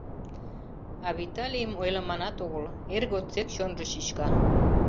А Виталийым ойлыманат огыл: эр годсек чонжо чӱчка.